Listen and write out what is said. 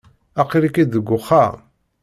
Aql-ik-id deg uxxam?